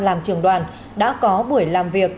làm trường đoàn đã có buổi làm việc